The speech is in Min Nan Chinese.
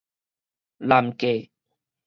難過